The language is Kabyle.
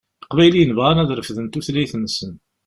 Iqbayliyen bɣan ad refden tutlayt-nsen.